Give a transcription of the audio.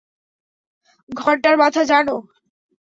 ঘন্টার মাথা জানো!